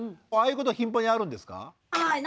ああいうことは頻繁にあるんですか？